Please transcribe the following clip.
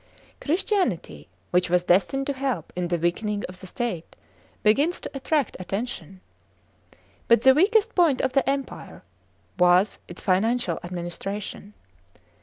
(V) Christianity, which was destined to help in the weakening of the state, begins to attract attention. But the weakast point of the Empire was its (8) financial administration.